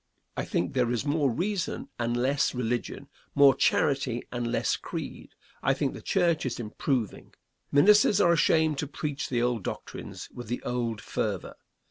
I think there is more reason and less religion, more charity and less creed. I think the church is improving. Ministers are ashamed to preach the old doctrines with the old fervor.